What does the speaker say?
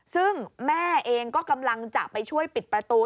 ซึ่งแม่เองก็กำลังจะไปช่วยปิดประตู